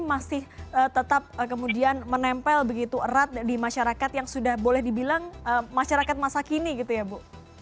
masih tetap kemudian menempel begitu erat di masyarakat yang sudah boleh dibilang masyarakat masa kini gitu ya bu